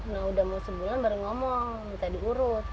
nah udah mau sebulan baru ngomong bisa diurut